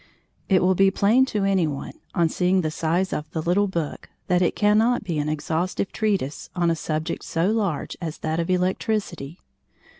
It will be plain to any one on seeing the size of the little book that it cannot be an exhaustive treatise on a subject so large as that of Electricity.